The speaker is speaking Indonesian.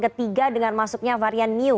ketiga dengan masuknya varian new